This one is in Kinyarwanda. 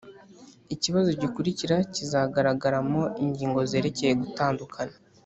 ikibazo gikurikira kizagaragaramo ingingo zerekeye gutandukana